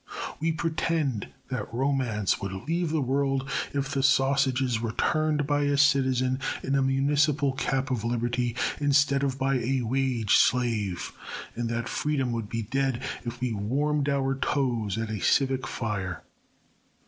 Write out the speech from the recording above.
We pretend that romance would leave the world if the sausages were turned by a citizen in a municipal cap of liberty instead of by a wage slave, and that freedom would be dead if we warmed our toes at a civic fire.